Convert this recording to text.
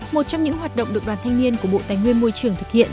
một trong những hoạt động được đoàn thanh niên của bộ tài nguyên môi trường thực hiện